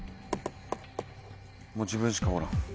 もう自分しかおらん。